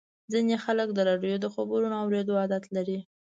ځینې خلک د راډیو د خبرونو اورېدو عادت لري.